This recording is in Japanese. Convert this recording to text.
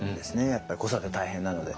やっぱり子育て大変なので。